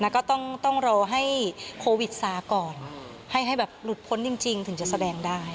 แล้วก็ต้องรอให้โควิดซาก่อนให้แบบหลุดพ้นจริงถึงจะแสดงได้